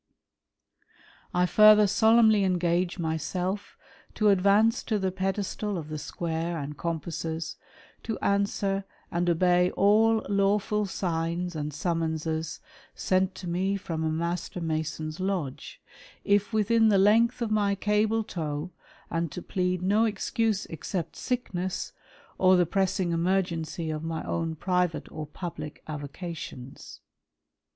1 further solemnly " engage myself, to advance to the pedestal of the square and '• compasses, to answer and obey all lawful signs and summonses "■ sent to me from a Master Mason's Lodge, if within the length " of my cable tow, and to plead no excuse except sickness, or the " pressing emergency of my own private or public avocations.